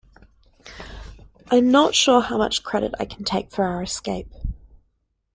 I'm not sure how much credit I can take for our escape.